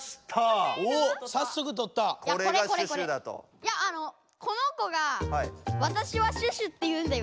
いやこの子がわたしはシュシュって言うんだよ。